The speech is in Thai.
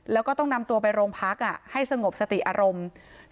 แล้วก็ต้องนำตัวไปโรงพักให้สงบสติอารมณ์